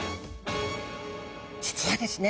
実はですね